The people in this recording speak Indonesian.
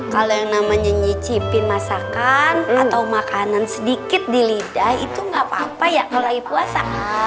kalau yang namanya nyicipin masakan atau makanan sedikit di lidah itu nggak apa apa ya mulai puasa